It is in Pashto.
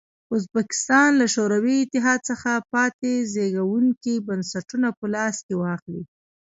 ازبکستان له شوروي اتحاد څخه پاتې زبېښونکي بنسټونه په لاس کې واخلي.